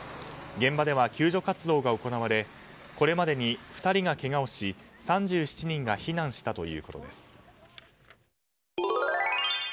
現場では救助活動が行われこれまでに２人がけがをし３７人が避難したということです。